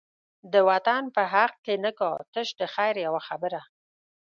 د وطن په حق کی نه کا، تش د خیر یوه خبره